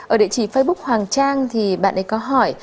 ở địa chỉ facebook hoàng trang thì bạn ấy có hỏi